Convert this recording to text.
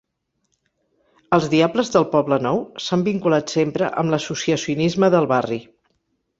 Els Diables del Poblenou s'han vinculat sempre amb l'associacionisme del barri.